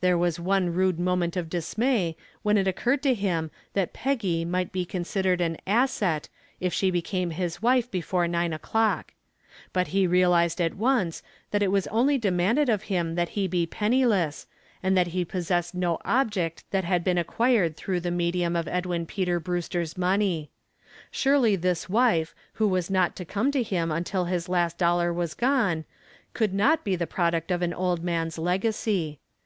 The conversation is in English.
There was one rude moment of dismay when it occurred to him that Peggy might be considered an "asset" if she became his wife before nine o'clock. But he realized at once that it was only demanded of him that he be penniless and that he possess no object that had been acquired through the medium of Edwin Peter Brewster's money. Surely this wife who was not to come to him until his last dollar was gone could not be the product of an old man's legacy.